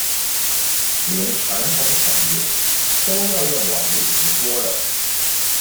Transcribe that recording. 連傳統產業都要用網路直播了